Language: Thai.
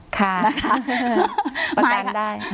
ค่ะประกันได้